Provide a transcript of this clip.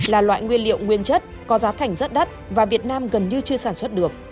là loại nguyên liệu nguyên chất có giá thành rất đắt và việt nam gần như chưa sản xuất được